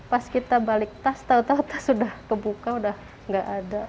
pas kita balik tas tau tau tas sudah kebuka udah gak ada